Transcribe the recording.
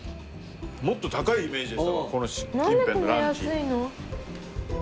もっと高いイメージでしたからこの近辺のランチ。